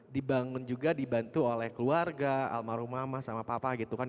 dibangun juga dibantu oleh keluarga almarhum mama sama papa gitu kan